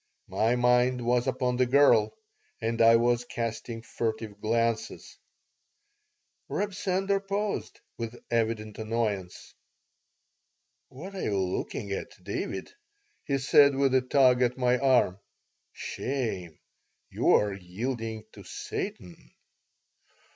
My mind was upon the girl, and I was casting furtive glances Reb Sender paused, with evident annoyance. "What are you looking at, David?" he said, with a tug at my arm. "Shame! You are yielding to Satan."